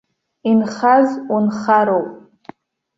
Инхаз унхароуп.